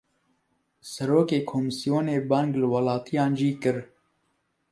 Serokê komîsyonê, bang li welatiyan jî kir